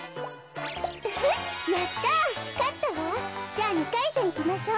じゃあ２かいせんいきましょう。